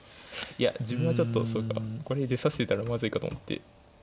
いや自分はちょっとそうかこれで指してたらまずいかと思って。